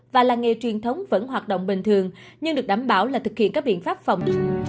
và làng nghề truyền thống vẫn hoạt động bình thường nhưng được đảm bảo là thực hiện các biện pháp phòng được